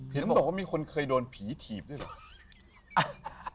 ต้องบอกว่ามีคนเคยโดนผีถีบด้วยเหรอ